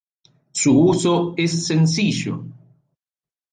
Su uso es sencillo.